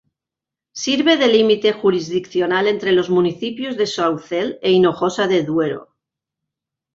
Sirve de límite jurisdiccional entre los municipios de Saucelle e Hinojosa de Duero.